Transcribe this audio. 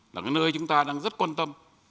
là cái nơi chúng ta đang rất quan tâm